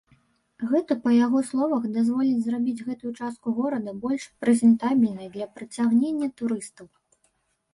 Гэта, па яго словах, дазволіць зрабіць гэтую частку горада больш прэзентабельнай для прыцягнення турыстаў.